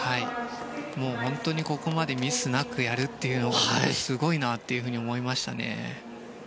本当にここまでミスなくやるっていうのはすごいなと思いましたね。